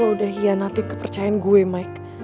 lu udah hianatin kepercayaan gue maik